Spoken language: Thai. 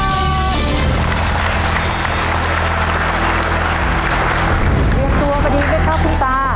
เกี่ยวตัวมาดีไหมคะคุณตา